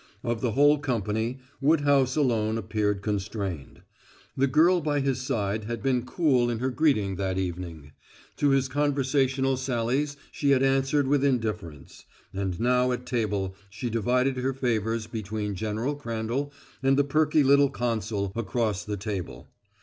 Of the whole company, Woodhouse alone appeared constrained. The girl by his side had been cool in her greeting that evening; to his conversational sallies she had answered with indifference, and now at table she divided her favors between General Crandall and the perky little consul across the table.